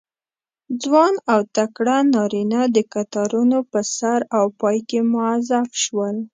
ځوان او تکړه نارینه د کتارونو په سر او پای کې موظف شول.